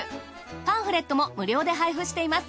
パンフレットも無料で配布しています。